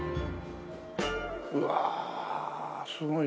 うわすごい。